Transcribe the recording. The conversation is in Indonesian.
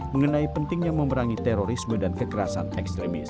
mengenai pentingnya memerangi terorisme dan kekerasan ekstremis